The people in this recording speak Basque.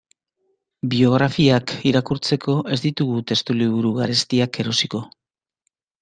Biografiak irakurtzeko ez ditugu testuliburu garestiak erosiko.